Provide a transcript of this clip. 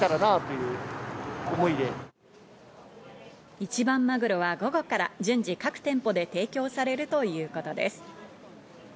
一番マグロは午後から順次各店舗で提供されるということです。